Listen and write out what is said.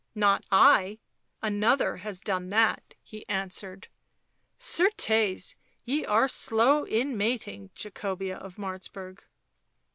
"Not I, another has done that," he answered. " Certes, ye are slow in mating, Jacobea of Martz burg."